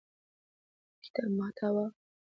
د کتاب محتوا ارزونه مخکې له خرید مهمه ده.